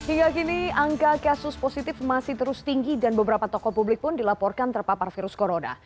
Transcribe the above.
hingga kini angka kasus positif masih terus tinggi dan beberapa tokoh publik pun dilaporkan terpapar virus corona